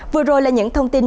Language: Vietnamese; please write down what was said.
vừa rồi là những thông tin